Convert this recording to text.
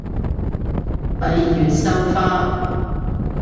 閉月羞花